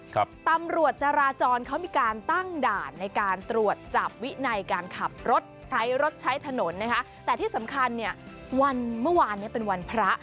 ครับตำรวจจราจรเขามีการตั้งด่านในการตรวจจับวินัยการขับรถใช้รถใช้ถนนนะคะแต่ที่สำคัญเนี่ยวันเมื่อวานเนี้ยเป็นวันพระ